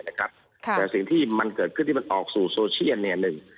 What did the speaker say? แต่สิ่งที่มันเกิดขึ้นที่มันออกสู่โซเชียลเนี่ย